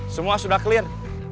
semua sudah clear